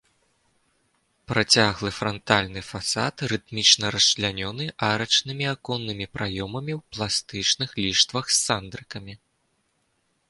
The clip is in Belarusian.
Працяглы франтальны фасад рытмічна расчлянёны арачнымі аконнымі праёмамі ў пластычных ліштвах з сандрыкамі.